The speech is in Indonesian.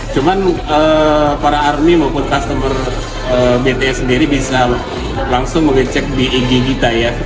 cuman para army maupun customer bts sendiri bisa langsung mengecek beg kita ya